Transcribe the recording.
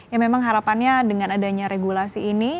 ya memang harapannya dengan adanya regulasi ini